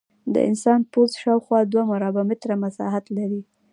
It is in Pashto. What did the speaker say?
د انسان پوست شاوخوا دوه مربع متره مساحت لري.